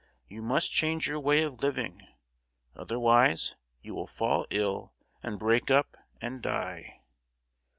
You must change your way of living; otherwise you will fall ill, and break up, and die!"